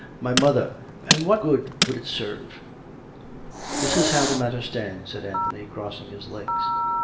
" My mother And what good would it serve ?"" This is how the matter stands," said Anthony, crossing his legs.